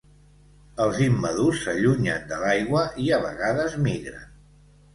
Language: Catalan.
Els immadurs s'allunyen de l'aigua i a vegades migren.